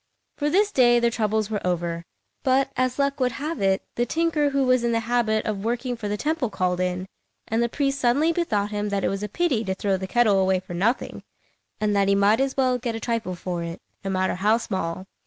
For this day their troubles were over; but, as luck would have it, the tinker who was in the habit of working for the temple called in, and the priest suddenly bethought him that it was a pity to throw the kettle away for nothing, and that he might as well get a trifle for it, no matter how small.